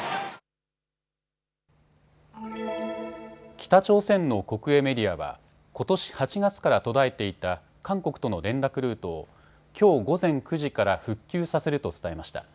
北朝鮮の国営メディアはことし８月から途絶えていた韓国との連絡ルートをきょう午前９時から復旧させると伝えました。